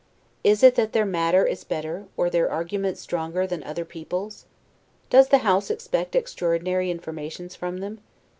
Is it that their matter is better, or their arguments stronger, than other people's? Does the House expect extraordinary informations from them?